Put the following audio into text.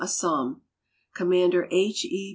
Assam. Commander IL E.